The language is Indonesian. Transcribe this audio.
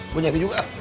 gue nyari juga